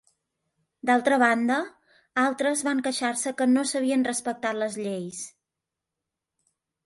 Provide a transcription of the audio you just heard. D'altra banda, altres van queixar-se de que no s'havien respectat les lleis.